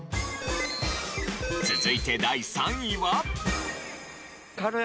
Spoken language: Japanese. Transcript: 続いて第３位は。